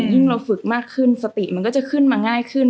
ยิ่งเราฝึกมากขึ้นสติมันก็จะขึ้นมาง่ายขึ้น